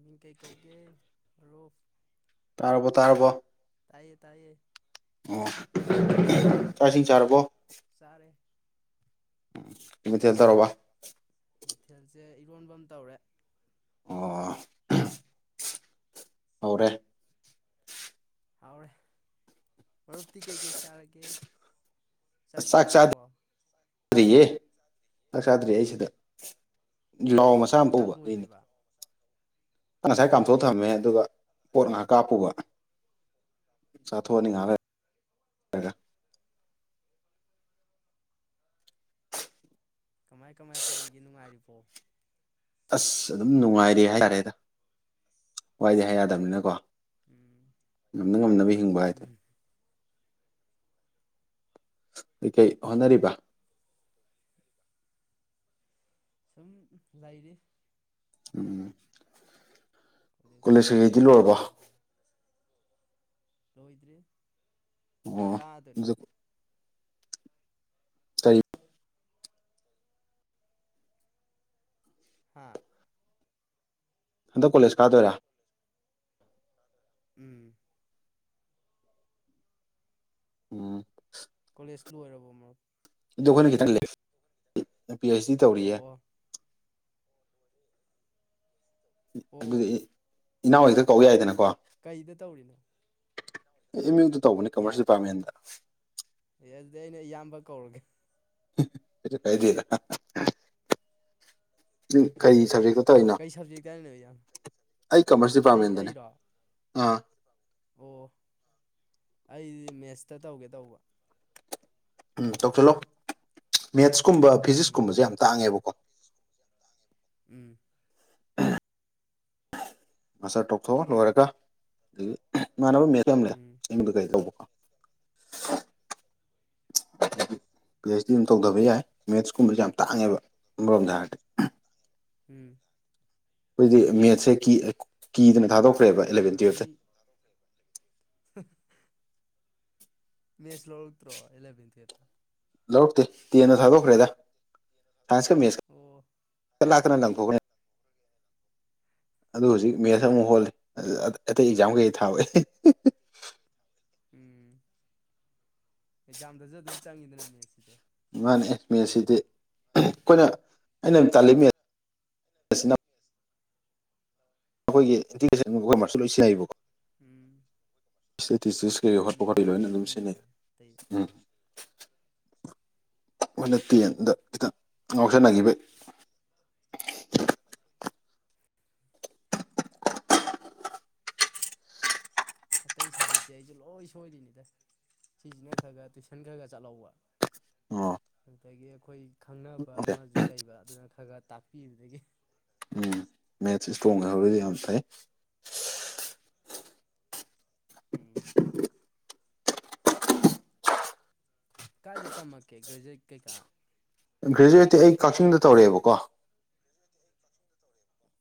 ꯃꯤꯡ ꯀꯩ ꯀꯧꯒꯦ ꯃꯔꯨꯞ ꯇꯥꯔꯕꯣ ꯇꯥꯔꯕꯣ ꯇꯥꯏꯌꯦ ꯇꯥꯏꯌꯦ ꯑꯣ ꯆꯥꯛ ꯏꯁꯤꯡ ꯆꯥꯔꯕꯣ ꯆꯥꯛ ꯆꯥꯔꯦ ꯎꯝ ꯎ ꯃꯊꯦꯜꯁꯦ ꯏꯔꯣꯟꯕ ꯑꯃ ꯇꯧꯔꯦ ꯑꯣ ꯍꯧꯔꯦ ꯍꯥꯎꯔꯦ ꯃꯔꯨꯞꯇꯤ ꯀꯩꯀꯩ ꯆꯥꯔꯒꯦ ꯑꯁ ꯆꯥꯛ ꯆꯥ ꯗ꯭ꯔꯤꯌꯦ ꯆꯥꯛ ꯆꯥꯗ꯭ꯔꯤꯌꯦ ꯑꯩ ꯁꯤꯗ [unintelligible] [unintelligible] ꯆꯥꯛ ꯑꯗꯨꯏꯅꯦ ꯂꯣꯏꯗ꯭ꯔꯤꯕ ꯉꯁꯥꯏ ꯑꯣ ꯀꯥꯝꯊꯣꯛ ꯊꯝꯃꯝꯃꯦ ꯑꯗꯨꯒ ꯄꯣꯠ ꯉꯥꯏꯍꯥꯛ ꯀꯥꯞꯄꯨꯕ ꯆꯥꯊꯣꯛꯑꯅꯤ ꯑꯣ ꯉꯥꯏꯍꯥꯛ ꯂꯩ ꯀꯃꯥꯏ ꯀꯃꯥꯏ ꯇꯧꯔꯤꯒꯦ ꯅꯨꯡꯉꯥꯏꯔꯤꯕꯣ ꯑꯁ ꯑꯗꯨꯝ ꯅꯨꯡꯉꯥꯏꯔꯦ ꯍꯥꯏꯇꯥꯔꯦꯗ ꯋꯥꯏꯗꯤ ꯍꯥꯏ ꯌꯥꯗꯕꯅꯤꯅ ꯀꯣ ꯎꯝ ꯉꯝꯅ ꯉꯝꯅꯕ ꯍꯤꯡꯕ ꯍꯥꯏꯗꯨ ꯎꯝ ꯀꯩ ꯀꯩ ꯍꯣꯠꯅꯔꯤꯕ ꯁꯨꯝ ꯂꯩꯔꯤ ꯎꯝ ꯀꯣꯂꯦꯁ ꯀꯣꯂꯦꯖ ꯀꯩ ꯀꯩꯀꯩꯗꯤ ꯀꯥ ꯀꯥ ꯂꯣꯏꯔꯕꯣ [unintelligible] ꯂꯣꯏꯗ꯭꯭ꯔꯤ ꯑꯣ [unintelligible] ꯀꯔꯤ ꯍꯥꯥ ꯍꯟꯗ ꯀꯣꯂꯦꯖ ꯀꯥꯣꯏꯥ ꯎꯝ ꯎꯝ ꯀꯣꯂꯦꯖ ꯂꯣꯏꯔꯕ ꯃꯔꯨꯞ ꯑꯗꯨ ꯑꯩꯈꯣꯏꯅ ꯈꯤꯇꯪ ꯄꯤ ꯑꯩꯆ ꯗꯤ ꯑꯣ ꯇꯧꯔꯤꯌꯦ ꯑꯣ ꯑꯣ ꯑꯗꯨꯗꯤ ꯏ ꯏꯅꯥꯎ ꯍꯣꯏꯗ ꯀꯧ ꯌꯥꯏꯗꯅꯀꯣ ꯀꯩꯗ ꯇꯧꯔꯤꯅꯣ ꯑꯦꯝ ꯌꯨꯗ ꯇꯧꯕꯅꯦ ꯀꯃꯔꯁ ꯗꯤꯄꯥꯔꯠꯃꯦꯟꯗ ꯑꯦ ꯑꯗꯨꯗꯤ ꯑꯩꯅ ꯏꯌꯥꯝꯕ ꯀꯧꯔꯒꯦ ꯀꯥꯏꯗꯔ ꯀꯩ ꯁꯦꯛ ꯇꯩꯅꯣ ꯀꯩ ꯁꯕꯖꯦꯛꯇ ꯍꯥꯏꯅꯣ ꯏꯌꯥꯝꯕ ꯑꯩ ꯀꯃꯔꯁ ꯑꯩ ꯗꯤꯄꯥꯔꯠꯃꯦꯟꯗꯅꯦ ꯑꯩꯔꯣ ꯑꯥ ꯑꯣ ꯑꯩꯗꯤ ꯃꯦꯠꯁꯇ ꯇꯧꯒꯦ ꯇꯧꯕ ꯎꯝ ꯇꯧ ꯆꯠꯂꯛ ꯃꯦꯠꯁꯀꯨꯝꯕ ꯎꯝ ꯐꯤꯖꯤꯛꯁꯀꯨꯝꯕꯁꯦ ꯌꯥꯝ ꯇꯥꯡꯉꯦꯕꯀꯣ ꯎꯝ ꯃꯥꯁꯇꯔ ꯇꯣꯛꯊꯣꯛꯑ ꯂꯣꯏꯔꯒ ꯑꯗꯒꯤ ꯏꯃꯥꯟꯅꯕ ꯃꯦꯂ ꯎꯝ ꯆꯤꯡꯗ ꯀꯩ ꯇꯧꯕꯀꯣ [inaudible] ꯄꯤ ꯑꯩꯩꯆ ꯗꯤ ꯑꯃ ꯇꯧꯊꯕ ꯌꯥꯏ ꯃꯦꯠꯁꯀꯨꯝꯕꯁ ꯌꯥꯝ ꯇꯥꯡꯉꯦꯕ ꯑꯃꯔꯣꯝꯗ ꯍꯥꯏꯔꯗꯤ ꯎꯝ ꯑꯩꯈꯣꯏꯗꯤ ꯃꯦꯠꯁꯦ ꯀꯤ ꯀꯤꯗꯅ ꯄꯥꯛ ꯊꯥꯗꯣꯛꯈ꯭ꯔꯦꯕ ꯑꯦꯂꯕꯦꯟ ꯑꯥ ꯃꯤ ꯇꯨꯌꯦꯜꯞꯁꯦ ꯃꯦꯁ ꯂꯇ꯭ꯔꯣ ꯏꯂꯕꯦꯟꯦꯠꯇꯦ ꯂꯧꯔꯛꯇꯦ ꯇꯦꯟꯅ ꯊꯥꯗꯣꯛꯈ꯭ꯔꯦꯗ ꯁꯥꯏꯟꯁꯀ ꯑꯣ ꯃꯦꯠꯁꯀ ꯂꯥꯛꯇꯅ ꯂꯪꯊꯣꯛꯀꯅꯤ ꯑꯗꯨ ꯍꯧꯖꯤꯛ ꯃꯦꯠꯁ ꯑꯃꯨꯛ ꯍꯣꯜꯂꯤ ꯑꯇꯩ ꯑꯦꯛꯖꯥꯝ ꯀꯩ ꯊꯥꯕꯩ꯫ ꯎꯝ ꯑꯦꯛꯖꯥꯝꯗꯁꯨ ꯑꯗꯨꯝ ꯆꯪꯉꯤꯗꯅ ꯃꯦꯠꯁꯤꯗꯤ ꯃꯥꯅꯦ ꯃꯦꯠꯁꯁꯤꯗꯤ ꯑꯩꯈꯣꯏꯅ ꯑꯩꯅ ꯇꯥꯜꯂꯤ ꯃꯦꯠꯁ ꯇꯥꯂꯤ ꯑꯩꯈꯣꯏꯒꯤꯟꯇꯤꯒ꯭ꯔꯦꯁꯟ ꯑꯩꯈꯣꯏꯔꯁꯨ ꯂꯣꯏꯁꯨ ꯌꯥꯏꯕꯀꯣ ꯎꯝ ꯏꯁꯇꯦꯇ ꯀꯩꯈꯠꯄ ꯎꯝ ꯈꯠꯄꯤ ꯑꯗꯨꯕꯨꯗꯤ ꯂꯣꯏꯅ ꯑꯗꯨꯝ ꯁꯤꯖꯤꯟꯅꯩ ꯁꯤꯖꯤꯟꯅꯩꯅꯦ ꯑꯇꯩ ꯎꯝ ꯑꯩꯈꯣꯏꯅ ꯇꯦꯟꯗ ꯈꯤꯇꯪ ꯉꯥꯎꯁꯟꯅꯈꯤꯕ ꯑꯇꯩ ꯁꯕꯖꯦꯛꯇꯤ ꯑꯩꯁꯨ ꯂꯣꯏ ꯁꯣꯏꯔꯤꯅꯤꯗ ꯁꯤꯁꯤꯅ ꯈꯔ ꯈꯔ ꯇꯨꯏꯁꯟ ꯈꯔ ꯈ ꯆꯠꯍꯧꯕ ꯑꯣ ꯑꯗꯨꯗꯒꯤ ꯑꯩꯈꯣꯏ ꯈꯪꯅꯕ ꯑꯣꯀꯦ ꯑꯃꯁꯨ ꯂꯩꯕ ꯑꯗꯨꯅ ꯈꯔ ꯈꯔ ꯇꯥꯛꯄꯤꯕꯗꯒꯤ꯫ ꯎꯝ ꯃꯦꯠꯁ ꯏꯁꯇ꯭ꯔꯣꯡ ꯑꯣꯏꯍꯔꯗꯤ ꯌꯥꯝ ꯐꯥꯏ ꯎꯝ ꯀꯥꯏꯗ ꯇꯝꯃꯛꯀꯦ ꯒ꯭ꯔꯦꯖꯨꯋꯦꯠ ꯀꯩꯀꯥ ꯒ꯭ꯔꯦꯖꯨꯋꯦꯠꯇꯤ ꯑꯩ ꯀꯛꯆꯤꯡꯗꯧꯛꯑꯦꯕꯀꯣ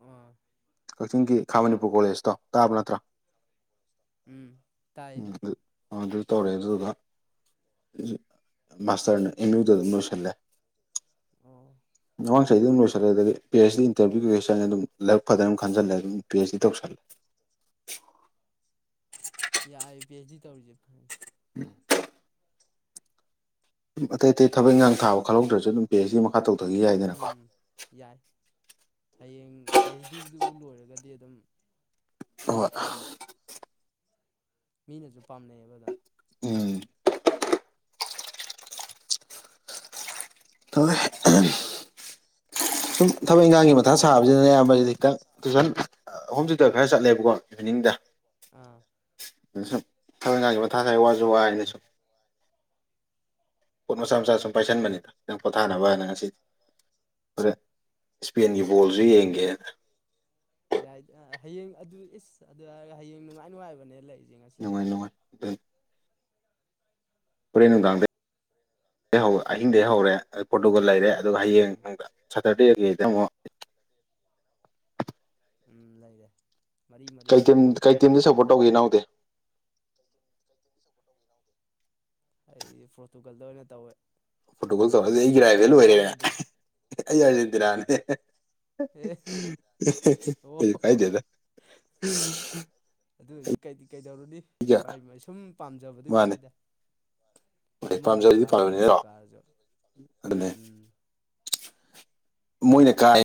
ꯎꯝ ꯀꯛꯆꯤꯡꯒꯤ ꯈꯥ ꯃꯅꯤꯄꯨꯔ ꯀꯣꯂꯦꯖꯇꯣ ꯇꯥꯕ ꯅꯠꯇ꯭ꯔꯣ ꯎꯝ ꯇꯥꯏ ꯎꯝ ꯑꯗꯨ ꯇꯧꯔꯑꯦ ꯑꯗꯨꯗ ꯃꯥꯁꯇꯔꯅꯦ ꯑꯃ ꯌꯨ ꯗ ꯑꯗꯨꯝ ꯂꯣꯏꯁꯤꯜꯤ ꯑꯣ ꯑꯩ ꯑꯗꯨꯝ ꯂꯣꯏꯁꯤꯜꯂꯦ ꯑꯗꯒꯤ ꯄ ꯑꯩꯆ ꯏꯟꯇꯚꯤꯌꯒꯤ ꯀꯦꯁꯟ ꯑꯗꯨ ꯂꯥꯏꯛ ꯐꯅ ꯑꯗꯨ ꯈꯟꯜꯂꯦ ꯑꯗꯨꯝ ꯄꯤ ꯑꯩꯆ ꯗꯤ ꯇꯧꯁꯜꯂꯦ꯫ ꯌꯥꯏ ꯄꯤ ꯑꯦꯆ ꯗꯤ ꯇꯦꯔꯤꯁꯦ ꯐꯥꯏ꯫ [inaudible] ꯑꯗꯨꯝ ꯑꯇꯩ ꯑꯇꯩ ꯊꯕꯛ ꯏꯟꯈꯥꯡ ꯊꯥ ꯈꯜꯍꯧꯗ꯭ꯔꯁꯨ ꯑꯗꯨꯝ ꯄꯦ ꯑꯦꯁ ꯁꯤ ꯃꯈꯥ ꯇꯧꯗꯒ ꯌꯥꯏꯗꯅꯀꯣ ꯎꯝ ꯌꯥꯏ ꯍꯌꯦꯡ ꯄꯤ ꯑꯩꯆ ꯗꯤꯗꯨꯕꯨ ꯂꯣꯏꯔꯒꯗꯤ ꯑꯗꯨꯝ ꯑꯇꯩꯒ ꯍꯣꯏ ꯑꯇꯩꯗ ꯃꯤꯅꯁꯨ ꯄꯥꯝꯅꯩꯑꯕ ꯑꯗꯨꯝ ꯎꯝ [inaudible] ꯁꯨꯝ ꯊꯕꯛ ꯏꯟꯈꯥꯡꯒꯤ ꯃꯊꯥ ꯁꯥꯕꯁꯤꯅ ꯑꯌꯥꯝꯕ ꯈꯤꯛꯇꯪ ꯇꯨꯏꯁꯟ ꯑꯍꯨꯝꯗꯨꯗ ꯈꯔ ꯆꯠꯂꯦꯕꯀꯣ ꯏꯚꯤꯅꯤꯡꯗ ꯑꯥ ꯑ ꯁꯨꯝ ꯊꯕꯖꯒꯤ ꯃꯊꯥ ꯁ ꯋꯥꯁꯨ ꯋꯥ ꯑꯩꯅ ꯁꯨꯝ ꯄꯣꯠ ꯃꯆꯥ ꯃꯆꯥ ꯁꯨꯝ ꯄꯥꯏꯁꯟꯕꯅꯤꯗ ꯅꯪ ꯄꯣꯊꯥꯅꯕ ꯍꯥꯏꯅ ꯉꯁꯤꯗꯤ ꯑꯗ ꯏꯁꯄꯦꯟꯒꯤ ꯕꯣꯜꯁꯨ ꯌꯦꯡꯒꯦꯅ ꯌꯥꯏ ꯍꯌꯦꯡ ꯑꯗꯨ ꯏꯁ ꯑꯗꯨꯔꯒ ꯍꯌꯦꯡ ꯅꯨꯡꯉꯥꯏ ꯅꯨꯡꯉꯥꯏꯕꯅꯦ ꯂꯩꯔꯤꯁꯦ ꯅꯨꯡꯉꯥꯏ ꯉꯁꯤꯗꯒꯤ꯫ ꯅꯨꯡꯉꯥꯏ ꯑꯗꯨ ꯐꯣꯔꯦꯟ ꯅꯨꯡꯗꯥꯡꯗꯒꯤꯩ ꯍꯧ ꯑꯍꯤꯡꯗꯒꯤ ꯍꯧꯔꯦ ꯐꯣꯇꯣꯒ ꯂꯩꯔꯦ ꯑꯗꯨꯒ ꯍꯌꯦꯡ ꯎꯝ ꯅꯨꯡ ꯁꯇꯔꯗꯦꯒꯤꯗ ꯑꯃꯨꯛ ꯎꯝ ꯂꯩꯔꯦ꯫ ꯃꯔꯤ ꯃꯔꯤ ꯀꯩꯇ ꯀꯩꯇꯝꯗ ꯁꯞꯄꯣꯔꯠ ꯇꯧꯒꯦ ꯏꯅꯥꯎꯗꯦ꯫ ꯑꯩ ꯄꯣꯔꯇꯨꯒꯜꯗ ꯑꯣꯏꯅ ꯇꯧꯋꯦ꯫ ꯐꯣꯇꯣꯀꯣꯜ ꯇꯧꯔꯛꯑꯁꯦ ꯑꯩꯒꯤ ꯔꯥꯏꯚꯦꯜ ꯑꯣꯏꯔꯦꯅ ꯏꯌꯥꯝꯕꯗꯤ ꯑꯩ ꯑꯥꯔꯖꯦꯟꯇꯤꯅꯥꯅꯦ꯫ ꯑꯦ ꯑꯣ ꯁꯨ ꯀꯥꯏꯗꯦꯗ ꯑꯗꯨ ꯍꯧꯖꯤꯛ ꯀꯩ ꯀꯩꯗꯧꯔꯨꯅꯤ ꯑꯩꯒ ꯃꯥꯏ ꯃ ꯁꯨꯝ ꯄꯥꯝꯖꯕꯗꯨꯩ ꯃꯥꯅꯦ ꯋꯥꯅꯤꯗ ꯍꯣꯏ ꯑꯃꯅꯕꯨ ꯄꯥꯝꯖꯔꯤꯗꯤ ꯀꯥꯖ ꯄꯥꯝꯕꯅꯤ ꯑꯅꯕꯨ ꯅꯠꯇ꯭ꯔꯣ ꯀꯥꯔꯖ ꯑꯗꯨꯅꯦ ꯎꯝ ꯃꯣꯏꯅ ꯀꯥꯏ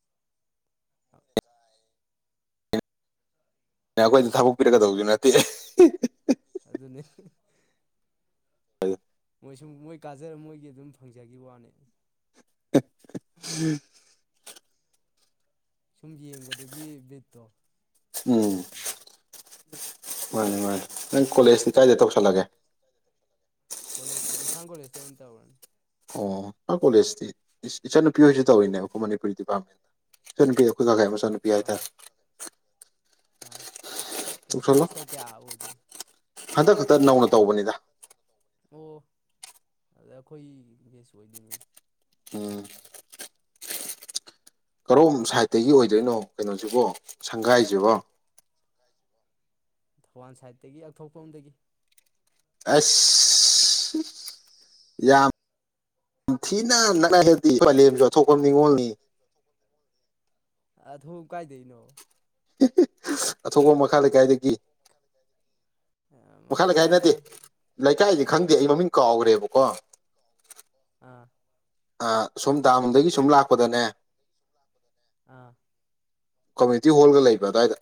[inaudible] [unintelligible] ꯅꯠꯇꯦ ꯑꯗꯨꯅꯤ꯫ ꯃꯣꯏ ꯁꯨꯝ ꯃꯣꯏ ꯀꯥꯖꯔ ꯃꯣꯏꯒꯤ ꯑꯗꯨꯝ ꯐꯪꯖꯈꯤꯕ ꯋꯥꯅꯦ꯫ ꯎꯝ ꯁꯨꯝ ꯌꯦꯡꯕꯗꯨꯒꯤ ꯕꯤꯠꯇꯣ ꯎꯝ ꯃꯥꯅꯤ ꯃꯥꯅꯤ ꯅꯪ ꯀꯣꯂꯦꯖꯇꯤ ꯀꯥꯏꯗ ꯇꯧꯁꯜꯂꯒꯦ ꯀꯣꯂꯦꯖꯁꯦ ꯏꯝꯐꯥꯜ ꯀꯣꯂꯦꯖꯇ ꯑꯣꯏꯅ ꯇꯧꯔꯅꯤ ꯑꯣ ꯃꯥ ꯀꯣꯂꯦꯖꯗꯤ ꯏꯟ ꯅꯨꯄꯤ ꯍꯥꯏꯣꯏꯁꯨ ꯇꯧꯔꯤꯅꯦ ꯑꯩꯈꯣꯏ ꯃꯅꯤꯄꯨ ꯗꯤꯄꯥꯔꯠꯃꯦꯟꯗ ꯏꯆꯟ ꯅꯨꯄꯤꯗ ꯈꯨꯠꯥꯏ ꯑꯃꯁ ꯄꯌꯥꯗ ꯑꯥ ꯑꯥ ꯀ ꯁꯦꯃꯤꯁꯇꯔ ꯀꯌꯥ ꯑꯣꯏꯗꯣꯏꯅꯣ ꯍꯟꯇꯛ ꯈꯛꯇ ꯅꯧꯅ ꯇꯧꯕꯅꯤꯗ ꯑꯣ ꯑꯗ ꯑꯩꯈꯣꯏ ꯒꯦꯁ ꯑꯣꯏꯗꯣꯏꯅꯦꯅꯦ ꯎꯝ ꯀꯔꯣꯝ ꯁꯥꯏꯗꯠꯇꯒꯤ ꯑꯣꯏꯗꯣꯏꯅꯣ ꯀꯩꯅꯣꯁꯤꯕꯣ ꯁꯪꯒꯥꯏꯁꯤꯕꯣ ꯊꯧꯕꯥꯜ ꯁꯥꯏꯠꯇꯒꯤ ꯑꯛꯊꯣꯛꯄ ꯑꯝꯗꯒꯤ ꯑꯁ ꯌꯥꯝ ꯌꯥꯝ ꯊꯤꯅ ꯄꯁꯨ ꯑꯊꯣꯛꯄ ꯅꯤꯡꯅꯤꯉꯣꯜꯅꯤ ꯑ ꯑꯗꯨ ꯀꯥꯏꯗꯩꯅꯣ ꯑꯊꯣꯞꯄ ꯃꯈꯥ ꯂꯩꯀꯥꯏꯗꯒꯤ ꯃꯈꯈꯂ ꯃꯈꯥ ꯈꯥꯏ ꯅꯠꯇ ꯂꯩꯀꯥꯏꯁꯦ ꯈꯪꯗꯦ ꯑꯩ ꯃꯃꯤꯡ ꯀꯥꯎꯈ꯭ꯔꯦꯕꯀꯣ ꯑꯥ ꯑ ꯁꯣꯝ ꯗꯥꯂꯣꯝꯗꯒꯤ ꯁꯨꯝ ꯂꯥꯛꯄꯗꯅꯦ ꯑꯥ ꯀꯝꯃ꯭ꯌꯨꯇꯤꯣꯜ ꯂꯩꯕ ꯑꯗꯨꯋꯥꯏꯗ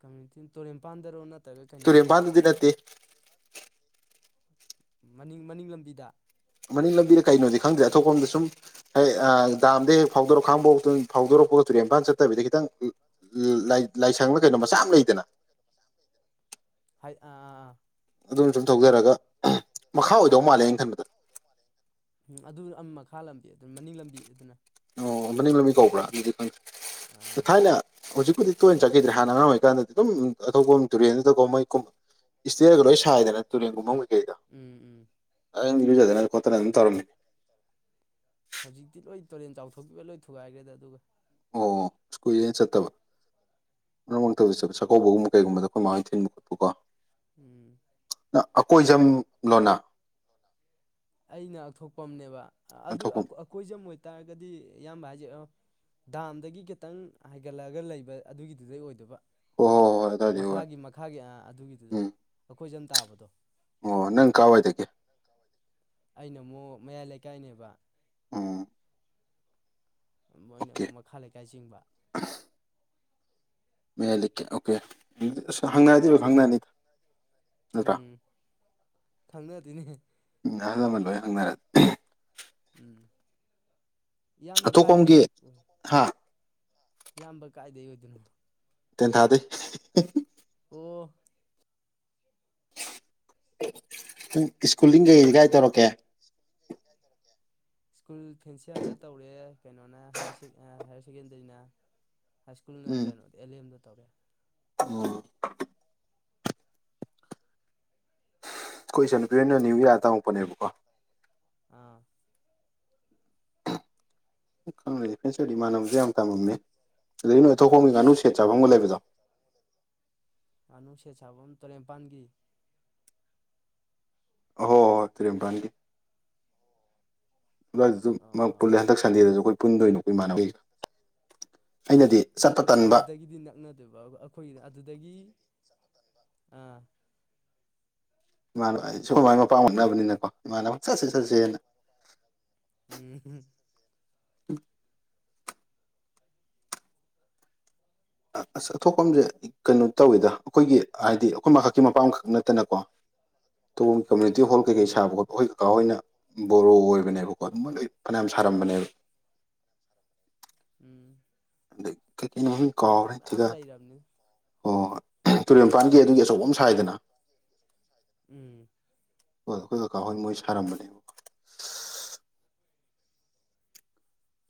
ꯀꯇ ꯇꯣ ꯄꯥꯟꯗꯔꯛꯣ ꯅ ꯇꯨꯔꯤꯦ ꯑꯗꯨꯗꯤ ꯅꯠꯇꯦ ꯃꯅꯤꯡ ꯃꯅꯤꯡ ꯂꯝꯕꯤꯗ ꯃꯅꯤꯡ ꯂꯝꯕꯤꯗ ꯀꯩꯅꯣꯗꯤ ꯈꯪꯗ꯭ꯔꯦ ꯑꯇꯣꯞꯄꯝꯗ ꯁꯨꯝ ꯍꯣꯏ ꯗꯥꯝꯗꯤ ꯍꯦꯛ ꯐꯥꯎꯗꯣꯔ ꯈꯥꯡꯕꯥꯎ ꯐꯥꯎꯗꯣꯔꯛꯄꯒ ꯇꯨꯔꯦꯟ ꯏꯝꯐꯥꯜ ꯆꯠꯇꯕꯤꯗ ꯈꯤꯇꯪ ꯂꯥꯏꯁꯪꯅ ꯀꯩꯅꯣ ꯃꯆꯥ ꯑꯃ ꯂꯩꯗꯅ ꯍ ꯑ ꯑꯗꯨꯝ ꯁꯨꯝ ꯊꯧꯖꯔꯒ ꯃꯈꯥ ꯑꯣꯏꯗꯧ ꯃꯥꯜꯂꯦꯩꯅ ꯈꯟꯕꯗ ꯎꯝ ꯑꯗꯨ ꯃꯈꯥ ꯂꯝꯕꯤ ꯑꯗꯨꯅ ꯃꯅꯤꯡ ꯂꯝꯕꯤ ꯑꯗꯨꯅ ꯑꯣ ꯃꯅ ꯂꯕꯤ ꯀꯧꯕ꯭ꯔꯥ ꯑꯗꯨꯗꯤ ꯑꯥ ꯊꯥꯏꯅ ꯍꯧꯖꯤꯛꯄꯨꯗꯤ ꯇꯣꯏꯅ ꯆꯠꯈꯤꯗ꯭ꯔꯦ ꯍꯥꯟꯅ ꯑꯉꯥꯡ ꯑꯣꯏꯔꯤꯀꯥꯟꯗꯗꯤ ꯑꯗꯨꯝ ꯑꯇꯣꯞꯄ ꯇꯨꯔꯦꯟꯗꯨꯗ ꯀꯨꯝ ꯃꯩ ꯀꯨꯝ ꯏꯁꯇꯔꯒ ꯂꯣꯏ ꯁꯥꯏꯗꯅ ꯇꯨꯔꯦꯟꯒꯨꯝꯕꯐꯝ ꯀꯩꯀꯩꯗ ꯎꯝ ꯎꯝ ꯑꯩ ꯌꯨꯖꯗꯅ ꯈꯣꯠꯇꯅ ꯑꯗꯨꯝ ꯇꯧꯔꯝꯃꯤ ꯍꯧꯖꯤꯛꯇꯤ ꯂꯣꯏ ꯇꯨꯔꯦꯟ ꯆꯥꯎꯊꯣꯛꯈꯤꯕ ꯂꯣꯏ ꯊꯨꯒꯥꯏꯈ꯭ꯔꯦꯗ ꯑꯗꯨꯒ ꯑꯣ ꯁ꯭ꯀꯨꯏꯅ ꯆꯠꯇꯕ ꯃꯔ ꯆ ꯆꯥꯛꯀꯧꯕꯒꯨꯝ ꯀꯩꯒꯨꯝꯕꯗ ꯑꯩꯈꯣꯏ ꯃꯥꯡꯟ ꯊꯤꯟꯕ ꯈꯣꯠꯄꯀꯣ ꯎꯝ ꯑꯀꯣꯏꯖꯝ ꯂꯣꯅ ꯑ ꯉꯥꯛꯊꯣꯛꯄ ꯑꯃꯅꯦꯕ ꯑꯗꯨ ꯑꯊꯣꯛꯄꯝ ꯑꯩꯀꯣꯏꯖꯝ ꯑꯣꯏꯇꯥꯔꯒꯗꯤ ꯑꯌꯥꯝꯕ ꯍꯥꯏꯖꯔꯛꯑꯣ ꯗꯥꯝꯗꯒꯤ ꯈꯤꯇꯪ ꯍꯥꯏꯒꯠꯂꯛꯒ ꯂꯩꯕ ꯑꯗꯨꯒꯤꯗꯨꯗꯩ ꯑꯣꯏꯗꯕ ꯍꯣꯏ ꯍꯣꯏ ꯍꯣꯏ ꯑꯗꯨꯋꯥꯏꯗꯩ ꯃꯈꯥꯒꯤ ꯃꯈꯥꯒꯤ ꯑꯗꯨꯒꯤꯗꯨꯗ ꯑꯣꯏꯔꯅꯤ ꯑꯩꯈꯣꯏꯖꯝ ꯇꯥꯕꯗꯣ ꯑꯣ ꯅꯪ ꯀꯥꯏꯋꯥꯏꯗꯒꯤ ꯇꯥꯕꯗꯤ ꯑꯩꯅ ꯑꯃꯨꯛ ꯃꯌꯥꯏ ꯂꯩꯀꯥꯏꯅꯦꯕ ꯑ ꯃꯣꯏꯅ ꯑꯃꯨꯛ ꯃꯈꯥ ꯂꯩꯀꯥꯏ ꯆꯤꯡꯕ ꯑ [unintelligible] ꯃꯌꯥꯏ ꯂꯩꯛꯀꯦ ꯑꯣꯀꯦ ꯑꯁ ꯍꯪꯅꯔꯗꯤꯕꯣ ꯈꯪꯅꯔꯅꯤꯗ ꯎꯝ ꯊꯪꯅ ꯑꯗꯨꯗꯤꯅꯦ ꯎꯝ ꯑꯍꯜꯃ ꯂꯣꯏ ꯍꯪꯅꯔꯦ ꯎꯝ ꯏꯌꯥꯝꯕ ꯑꯇꯣꯞꯄꯝꯒꯤ ꯀꯥꯏꯗꯣꯏꯅꯤ ꯎ ꯍꯥ ꯏꯌꯥꯝꯕ ꯀꯥꯏꯗꯩ ꯑꯣꯏꯗꯣꯏꯅꯣ ꯇꯦꯟ ꯊꯥꯗ ꯑꯣ ꯁꯨꯝ ꯁ꯭ꯀꯨꯜꯡ ꯀꯩ ꯒꯥꯏ ꯇꯧꯔꯛꯀꯦ ꯏꯁ꯭ꯀꯨꯜ ꯀꯖꯔꯛ ꯀꯦ ꯁ꯭ꯀꯨꯜ ꯐꯦꯟꯁꯤꯌꯥꯔꯗ ꯇꯧꯔꯦ ꯀꯩꯅꯣꯅ ꯍꯥꯌꯔ ꯁꯦꯀꯦꯟꯗꯔꯤꯅ ꯍꯥꯏ ꯁ꯭ꯀꯨꯜꯅ ꯎꯝ ꯀꯩꯅꯣꯗ ꯑꯦꯜ ꯑꯦꯝꯗ ꯇꯧꯔꯦ ꯎꯝ ꯀꯣꯏꯟ ꯅꯨꯄꯤꯣꯏꯅ ꯅ꯭ꯌꯨꯌꯥꯔ ꯇꯃꯛꯄꯅꯦꯕ ꯑꯥ ꯩꯅꯣꯅꯦ ꯐꯦꯟꯁꯔꯗꯤ ꯃꯥꯟꯅꯕꯁꯨ ꯌꯥꯝ ꯇꯝꯃꯝꯃꯦ ꯑꯗꯒꯤ ꯅꯣꯏꯊꯣꯛ ꯍꯣꯡꯒꯤ ꯉꯥꯅꯨ ꯁꯦꯠ ꯆꯥꯐꯝꯒ ꯂꯩꯕꯗꯣ ꯉꯥꯅꯅꯨꯡ ꯁꯦꯠ ꯁꯥꯐꯝ ꯇꯔꯦꯅꯤꯄꯥꯥꯟꯒꯤ ꯑꯣ ꯍꯣꯏ ꯇ꯭ꯔꯔꯤꯝꯄꯥꯟꯒꯤ ꯑꯗꯨꯋꯥꯏꯗꯁꯨ ꯑꯥ ꯑꯥ ꯄꯨꯜꯂꯦ ꯍꯟꯗꯛ ꯁꯟꯗꯦꯗꯁꯨ ꯑꯩꯈꯣꯏ ꯄꯨꯟꯗꯣꯏꯅꯣ ꯑꯩꯈ ꯏꯃꯥꯟꯅꯕꯩꯒ ꯑꯩꯅꯗꯤ ꯆꯠꯄ ꯎꯝ ꯇꯟꯕ ꯑꯗꯨꯗꯒꯤꯗꯤ ꯅꯛꯅꯗꯣꯏꯕ ꯑꯩꯈꯣꯏꯒꯤꯅ ꯑꯗꯨꯗꯒꯤ ꯑꯥ ꯏꯃꯥꯅ ꯑꯩ ꯁꯒꯨꯝꯕꯥꯏꯒꯤ ꯃꯄꯄꯥ ꯃꯛꯅꯕꯅꯤꯅꯀꯣ ꯏꯃꯥꯅ ꯑꯃꯛ ꯆꯠꯁꯦ ꯆꯠꯁꯦꯅ ꯎꯝ ꯎ ꯑ ꯑꯁ ꯊꯣꯛꯐꯝꯁꯦ ꯀꯩꯅꯣ ꯇꯧꯋꯦꯗ ꯑꯩꯈꯣꯏꯒꯤ ꯍꯥꯏꯗꯤ ꯑꯩꯈꯣꯏ ꯃꯈꯛꯀꯤ ꯃꯄꯥ ꯑꯃꯈꯛ ꯅꯠꯇꯅꯀꯣ ꯇ ꯀꯃꯨꯅꯤꯇꯤ ꯍꯣ ꯀꯩ ꯎꯝ ꯁꯥꯕ ꯀꯥ ꯍꯣꯏꯅ ꯕꯣꯔꯣ ꯑꯣꯏꯕꯅꯦꯕꯀꯣ ꯑꯗꯨ ꯃꯣꯏꯅ ꯂꯣꯏ ꯐꯅꯌꯥꯝ ꯁꯥꯔꯝꯕꯅꯦꯕ ꯎꯝ ꯑꯗꯒꯤ ꯀꯩ ꯀꯃꯤꯇꯤ ꯀꯥꯎꯔꯦ ꯃꯌꯥꯝ ꯊꯤꯒ ꯂꯩꯔꯕꯅꯤ ꯑꯣ ꯇꯨꯔꯦꯜ ꯏꯐꯥꯟꯒꯤ ꯑꯗꯨꯒꯤ ꯑꯆꯧꯕ ꯑꯃ ꯁꯥꯏꯗꯅ ꯎꯝ ꯍꯣꯏ ꯑꯩꯈꯣꯏ ꯀꯀꯥꯍꯣꯏ ꯃꯣꯏ ꯁꯥꯔꯝꯕꯅꯦꯕ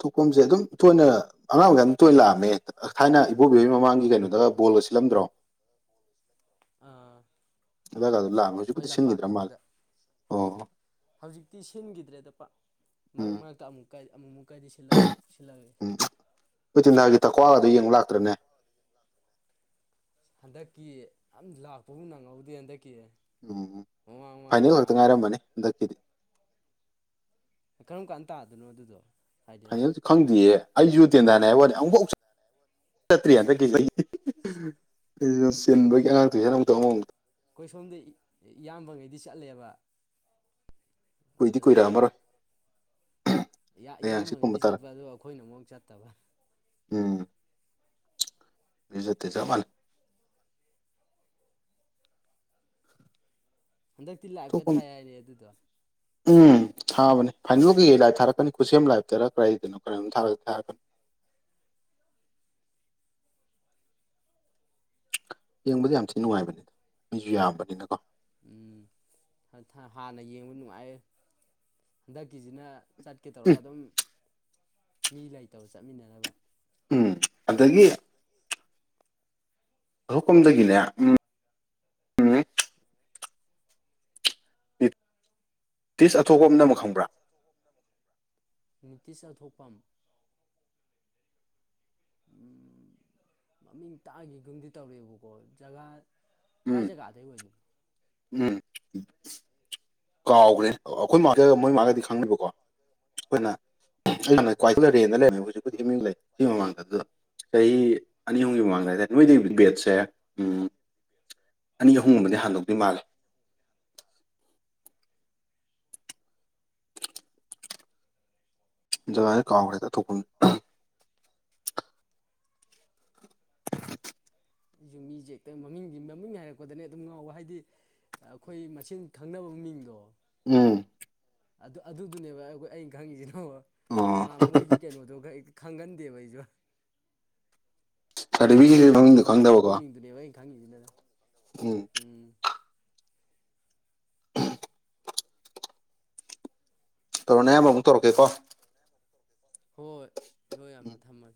ꯊꯣꯛꯐꯝꯁꯦ ꯑꯗꯨꯝ ꯇꯣꯏꯅ ꯑꯉꯥꯡ ꯃꯈꯩ ꯑꯗꯨꯝ ꯇꯣꯏꯅ ꯂꯥꯛꯑꯝꯃꯦ ꯊꯥꯏꯅ ꯏꯕꯣꯕꯤꯕꯒꯤ ꯃꯃꯥꯡꯒꯤ ꯀꯩꯅꯣꯗꯒ ꯕꯣꯜꯒ ꯁꯤꯜꯂꯝꯗ꯭ꯔꯣ ꯑꯥ ꯑ ꯀꯗꯣ ꯂꯥꯛꯑꯝꯃꯦ ꯃꯣꯏ ꯍꯧꯖꯤꯛꯄꯨꯗꯤ ꯁꯤꯟꯈꯤꯗ꯭ꯔꯥ ꯃꯥꯜꯂꯦ ꯂꯝꯄꯥꯛꯀꯤꯗꯨꯗ ꯑꯣ ꯍꯧꯖꯤꯛꯇꯤ ꯁꯤꯟꯈꯤꯗ꯭ꯔꯦꯗ ꯄ ꯃꯔꯛ ꯎꯝ ꯃꯔꯛꯇ ꯑꯃꯨꯛꯀ ꯑꯃꯨꯛꯃꯨꯛ ꯀꯥꯏꯗꯤ ꯁꯤꯜꯂꯛꯑꯦ ꯣꯏꯇꯤꯟꯅꯥꯒꯤ ꯇꯀ꯭ꯋꯥ ꯑꯗꯨ ꯌꯦꯡꯉ ꯂꯥꯛꯇ꯭ꯔꯅꯦ ꯍꯟꯗꯛꯀꯤ ꯌꯥꯝ ꯂꯥꯛꯄꯕꯨ ꯅꯪꯍꯧꯗꯦ ꯍꯟꯗꯛꯀꯤ ꯎꯝ ꯃꯃꯥꯡ ꯃꯃꯥꯡꯗꯤ ꯐꯥꯏꯅꯦꯜ ꯈꯛꯇ ꯂꯥꯛꯑꯝꯕꯅꯦ ꯉꯥꯏꯔꯝꯕꯅꯤ ꯍꯟꯗꯛꯀꯤꯗꯤ ꯀꯔꯝ ꯀꯥꯟ ꯇꯥꯗꯣꯏꯅꯣ ꯑꯗꯨꯗꯣ ꯍꯥꯏꯗꯤ ꯐꯥꯏꯅꯦꯜꯁꯨ ꯑꯩꯈꯣꯏ ꯈꯪꯗꯦꯌꯦ ꯑꯩꯁꯨ ꯇꯦꯟꯗꯥꯅꯤ ꯍꯥꯏꯕ ꯋꯥꯅꯤ ꯑꯃꯨꯛꯐꯥꯎ ꯆꯠꯇ꯭ꯔꯤ ꯍꯟꯗꯛ ꯎ ꯑꯩꯩꯅ ꯆꯤꯟꯕꯒꯤ ꯑꯉꯥꯡꯇꯣ ꯍꯦ ꯑꯃꯨꯛꯇꯧ ꯑꯃꯃꯨꯛꯇ ꯑꯩꯈꯣꯏ ꯁꯣꯝꯗ ꯏꯌꯥꯝꯕꯉꯩꯗꯤ ꯆꯠꯂꯦꯕ ꯑꯣꯏꯣꯏꯗꯤ ꯑꯗꯨꯒ ꯀꯣꯏꯔꯃꯔꯦ ꯍꯪꯆꯤꯠ ꯀꯨꯝꯕ ꯏꯌꯥꯝꯕꯉꯩꯗꯤ ꯇꯥꯔꯛ ꯆꯠꯄ ꯑꯗꯣ ꯑꯩꯈꯣꯏꯅ ꯑꯃꯨꯛ ꯆꯠꯇꯕ ꯎꯝ ꯕꯤꯖꯇꯩ ꯆ ꯃꯥꯂ ꯍꯟꯗꯛꯇꯤ ꯂꯥꯏꯞꯀ ꯊꯣꯛꯄ ꯊꯥꯏ ꯍꯥꯏꯅꯦ ꯑꯗꯨꯗꯣ ꯎꯝ ꯊꯥꯕꯅꯦ ꯐꯥꯏꯅꯦꯜꯒꯤ ꯂꯥꯏꯞ ꯊꯥꯔꯛꯀꯅꯤ ꯈꯨꯠꯁꯦꯝ ꯂꯥꯏꯞꯇꯔ ꯀꯗꯥꯏꯗꯅꯣ ꯀ ꯊꯥꯔꯛꯀꯅꯤ ꯌꯦꯡꯕꯗ ꯌꯥꯝ ꯊꯤꯅ ꯅꯨꯡꯉꯥꯏꯕꯅꯤꯗ ꯃꯤꯁꯨ ꯌꯥꯝꯕꯅꯤꯅꯀꯣ ꯎꯝ ꯍꯥꯟꯅ ꯌꯦꯡꯕ ꯅꯨꯡꯉꯥꯏ ꯍꯟꯗꯛꯀꯤꯁꯤꯅ ꯆꯠꯀꯦ ꯇꯧꯔꯒ ꯎꯝ ꯑꯗꯨꯝ ꯃꯤ ꯂꯩꯇꯕ ꯆꯠꯃꯤꯟꯅꯅꯕ ꯎꯝ ꯑꯗꯒꯤ ꯊꯣꯛ ꯀꯝꯗꯒꯤꯅꯦ ꯎꯝ ꯇꯤꯁ ꯑꯊꯣꯄ ꯑꯃꯝ ꯑꯃ ꯈꯪꯕ꯭ꯔꯥ ꯅꯤꯇ ꯑꯊꯣꯛꯄꯝ ꯎꯝ ꯃꯃꯤꯡ ꯇꯥꯈꯤꯒꯨꯝꯗꯤ ꯇꯧꯔꯛꯦꯕꯀꯣ ꯖꯒꯥ ꯀꯥꯏ ꯎꯝ ꯖꯒꯥꯗ ꯑꯣꯏꯅꯣ ꯎꯝ ꯀꯥꯎꯈ꯭ꯔꯦ ꯑꯩꯈꯣꯏ ꯃꯥ ꯃꯣꯏ ꯃꯥꯒꯗꯤ ꯈꯪꯅꯤꯕꯀꯣ ꯑꯩꯈꯣꯏꯅ ꯑꯥ ꯭ꯋꯥꯊ ꯂꯩꯔꯦꯟꯗ ꯂꯩꯔꯃꯦ ꯍꯧꯖꯤꯛꯨꯗꯤ ꯑꯥ ꯃꯤꯡ ꯂꯩ ꯁꯤ ꯃꯃꯥꯡꯗ ꯑꯗꯨꯗ ꯆꯍꯤ ꯑꯅꯤ ꯑꯍꯨꯝꯒꯤ ꯃꯃꯥꯡꯗ ꯍꯥꯏꯇꯥꯔꯦ ꯑꯥ ꯅꯣꯏꯗꯒꯤ ꯕꯦꯠꯁꯦ ꯎꯝ ꯑꯅꯤ ꯑꯍꯨꯝꯒꯨꯝꯕꯗꯤ ꯍꯥꯟꯗꯣꯛꯗꯣꯏ ꯃꯥꯜꯂꯦ ꯖꯦ ꯀꯥꯎ꯭ꯔꯦꯗ ꯊꯣꯛ ꯌꯨꯝꯃꯤꯁꯦ ꯍꯦꯛꯇ ꯃꯃꯤꯡꯒꯤ ꯃꯃꯤꯡ ꯍꯥꯏꯔꯛꯄꯗꯅꯦ ꯑꯗꯨꯝ ꯉꯥꯎꯕ ꯍꯥꯏꯗꯤ ꯑꯩꯈꯣꯏ ꯃꯆꯤꯟ ꯈꯪꯅꯕ ꯃꯤꯡꯗꯣ ꯎꯝ ꯑꯗꯨ ꯑꯗꯨꯗꯨꯅꯦꯕ ꯑꯩꯈꯣꯏ ꯑꯩꯅ ꯈꯪꯉꯤꯁꯤꯅꯣ ꯑꯣ ꯇꯣꯉꯥꯟ ꯃꯣꯏꯒꯤ ꯀꯩꯅꯣꯗꯣꯒ ꯍꯦꯛꯇ ꯈꯪꯒꯟꯗꯦꯕ ꯑꯩꯁꯨ ꯌꯨꯝꯗ ꯁꯥꯔꯇꯤꯐꯤꯀꯦꯠꯀꯤ ꯀꯩꯗ ꯃꯃꯤꯡꯗꯣ ꯀꯧꯅꯕꯗꯣ ꯑꯗꯨ ꯈꯪꯗꯕꯀꯣ ꯃꯤꯡꯗꯨꯅꯦꯕ ꯑꯩꯅ ꯈꯪꯉꯤꯁꯤꯗꯅ ꯎꯝ ꯎꯝ ꯇꯧꯔꯅ ꯑꯌꯥꯝꯕꯨꯛ ꯇꯧꯛꯀꯣ ꯍꯣꯏꯣꯏ ꯍꯣꯏ ꯑꯃ ꯑꯃ